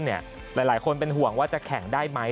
หลายคนเป็นห่วงว่าจะแข่งได้ไหม